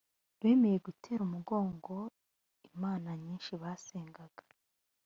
bemeye gutera umugongo imana nyinshi basengaga